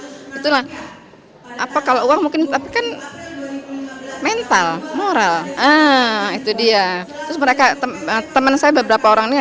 itulah apa kalau uang mungkin tapi kan mental moral itu dia terus mereka teman saya beberapa orangnya